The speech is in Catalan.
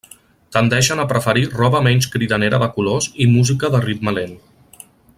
Tendeixen a preferir roba menys cridanera de colors i música de ritme lent.